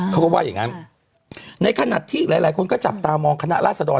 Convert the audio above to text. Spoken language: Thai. เขาก็ว่าอย่างงั้นในขณะที่หลายหลายคนก็จับตามองคณะราษฎร